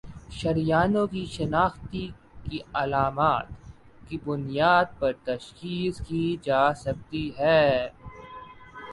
شریانوں کی سختی کی علامات کی بنیاد پر تشخیص کی جاسکتی ہے